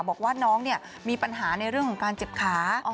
บอกว่าน้องมีปัญหาในเรื่องของการเจ็บขา